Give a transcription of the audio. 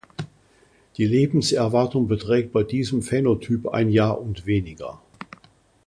Die Lebenserwartung beträgt bei diesem Phänotyp ein Jahr und weniger.